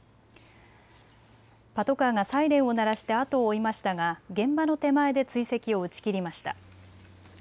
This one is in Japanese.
パトカーがサイレンを鳴らして後を追いましたが現場の手前で追跡を打ち切りました。